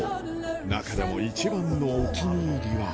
中でも一番のお気に入りは。